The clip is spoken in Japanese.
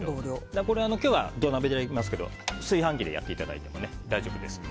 今日は土鍋でやってますけど炊飯器でやっていただいても大丈夫です。